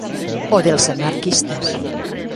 O dels anarquistes